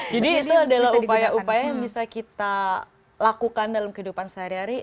jadi itu adalah upaya upaya yang bisa kita lakukan dalam kehidupan sehari hari